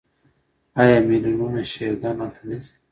آیا میلیونونه شیعه ګان هلته نه ځي؟